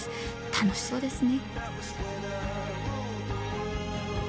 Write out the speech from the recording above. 楽しそうですね。